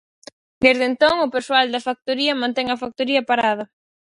Desde entón, o persoal da factoría mantén a factoría parada.